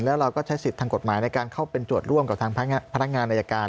แล้วเราก็ใช้สิทธิ์ทางกฎหมายในการเข้าเป็นโจทย์ร่วมกับทางพนักงานอายการ